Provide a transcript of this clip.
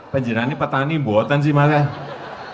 penjurani petani buatan sih makanya